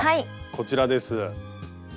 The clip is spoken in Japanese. こちらです。